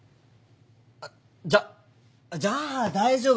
あっじゃじゃあ大丈夫だよ。